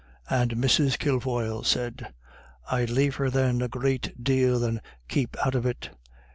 And Mrs. Kilfoyle said, "I'd liefer than a great deal they kep' out of it.